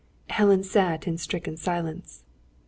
Helen sat in stricken silence.